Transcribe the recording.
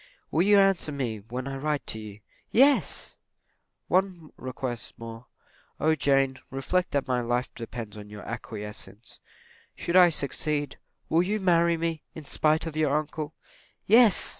"Will you answer me when I write to you?" "Yes!" "One request more O Jane, reflect that my life depends upon your acquiescence should I succeed, will you marry me, in spite of your uncle?" "Yes!"